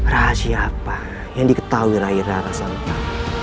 rahasia apa yang diketahui rai rara sampai